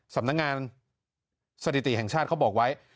สำนักงานสถิติแห่งชาติเขาบอกไว้